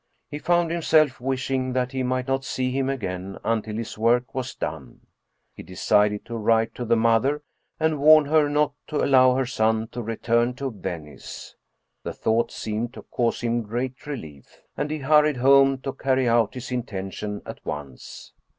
He found himself wishing that he might not see him again until his work was done. He decided to write to the mother and warn her not to allow her son to return to Venice. The thought seemed to cause him great relief, and he hurried home to carry out his intention at once.